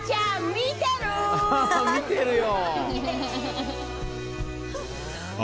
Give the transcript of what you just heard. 見てるよ！